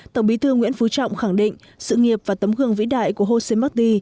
tổng bí thư nguyễn phú trọng khẳng định sự nghiệp và tấm gương vĩ đại của josé martí